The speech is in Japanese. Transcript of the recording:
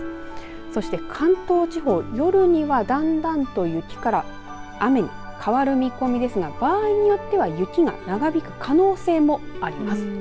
そして関東地方夜にはだんだんと雪から雨に変わる見込みですが場合によっては雪が長引く可能性もあります。